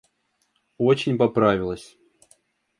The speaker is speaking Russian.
Очень поправилась.